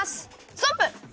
ストップ！